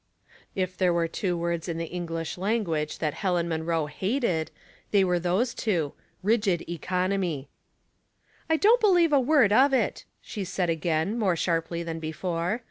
If there 3 two words in the English language that a Munroe hated, they were those two, " rigid omy." " I don't believe a word of it," she said again, more sharply than before.